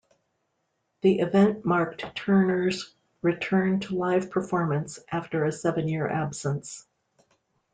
The event marked Turner's return to live performance after a seven-year absence.